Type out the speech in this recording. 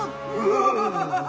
ワハハハハ。